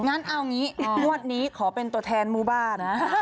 งั้นเอางี้งวดนี้ขอเป็นตัวแทนหมู่บ้าน